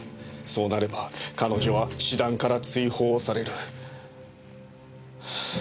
そうなれば彼女は詩壇から追放される。